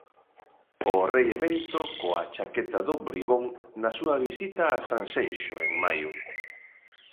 O rei emérito, coa chaqueta do 'Bribón', na súa visita a Sanxenxo en maio.